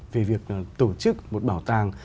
về việc tổ chức một bảo tàng